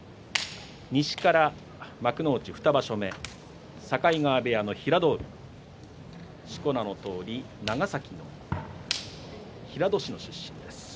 西から幕内２場所目境川部屋の平戸海しこ名のとおり長崎の平戸市の出身です。